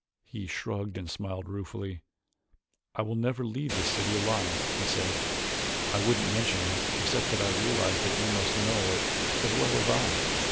He shrugged and smiled ruefully. "I will never leave this city alive," he said. "I wouldn't mention it except that I realize that you must know it as well as I.